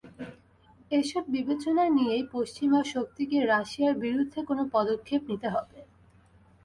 এসব বিবেচনায় নিয়েই পশ্চিমা শক্তিকে রাশিয়ার বিরুদ্ধে কোনো পদক্ষেপ নিতে হবে।